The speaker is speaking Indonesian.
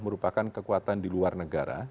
merupakan kekuatan di luar negara